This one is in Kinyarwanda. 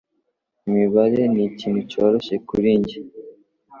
Imibare ni ikintu cyoroshye kuri njye.